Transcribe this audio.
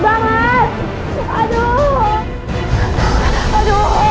santi ayo keluar